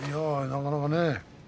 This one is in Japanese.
なかなかね。